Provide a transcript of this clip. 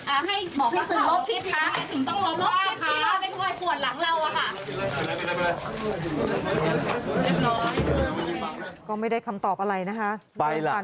ให้บอกให้เขารบคลิปคะมองรอกคลิปค่ะทำไมถึงบอกละเขาว่าค่ะก็ไม่ได้คำตอบอะไรนะครัน